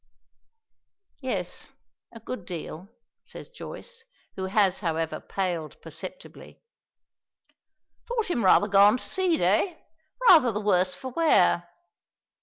"Yes. A good deal," says Joyce, who has, however, paled perceptibly. "Thought him rather gone to seed, eh? Rather the worse for wear."